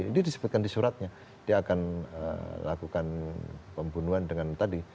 ini disebutkan di suratnya dia akan lakukan pembunuhan dengan tadi